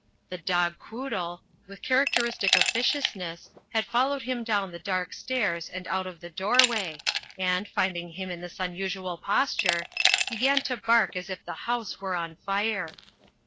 The dog Quoodle, with characteristic of ficiousness, had followed him down the dark stairs and out of the doorway, and, finding him in this unusual posture, began to bark as if the house were on fire.